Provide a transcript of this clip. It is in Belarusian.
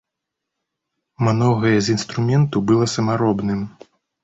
Многае з інструменту было самаробным.